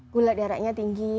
gula darahnya tinggi